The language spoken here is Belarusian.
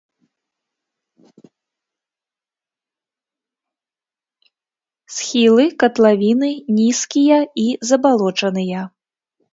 Схілы катлавіны нізкія і забалочаныя.